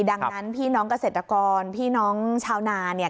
ดังนั้นพี่น้องเกษตรกรพี่น้องชาวนาเนี่ย